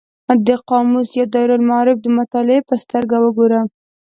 د قاموس یا دایرة المعارف د مطالعې په سترګه وګورو.